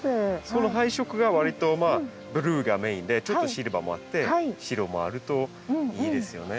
その配色がわりとまあブルーがメインでちょっとシルバーもあって白もあるといいですよね。